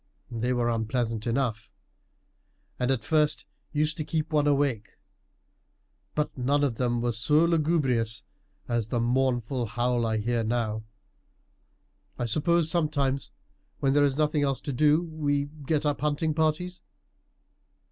They were unpleasant enough, and at first used to keep one awake; but none of them were so lugubrious as that mournful howl I hear now. I suppose sometimes, when there is nothing else to do, we get up hunting parties?"